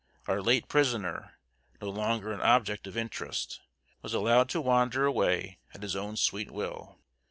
Our late prisoner, no longer an object of interest, was allowed to wander away at his own sweet will.